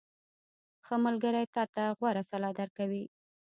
• ښه ملګری تا ته غوره سلا درکوي.